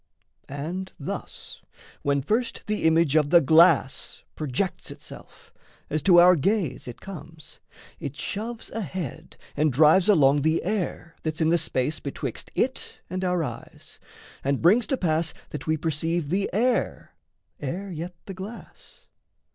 And thus, when first The image of the glass projects itself, As to our gaze it comes, it shoves ahead And drives along the air that's in the space Betwixt it and our eyes, and brings to pass That we perceive the air ere yet the glass.